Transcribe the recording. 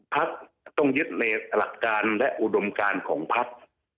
พักต้องยึดในหลักการและอุดมการของพัก